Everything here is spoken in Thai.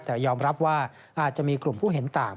แต่ยอมรับว่าอาจจะมีกลุ่มผู้เห็นต่าง